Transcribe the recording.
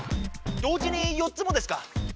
同時に４つもですか？